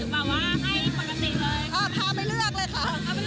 พาไปเลือกเลยค่ะ